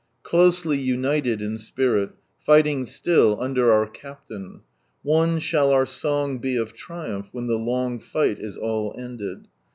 Closely united In spirit, lighting still under our Captain, One Khali our song be of triumph, when the long light is all ended.